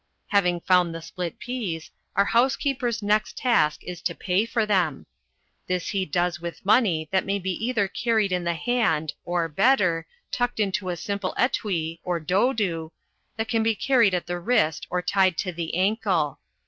Having found the split peas, our housekeeper's next task is to pay for them. This he does with money that may be either carried in the hand or, better, tucked into a simple etui, or dodu, that can be carried at the wrist or tied to the ankle.